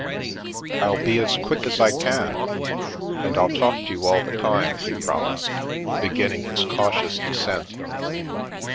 " I'll be as quick as I can, and I'll talk to you all the time," he promised, beginning his cautious descent.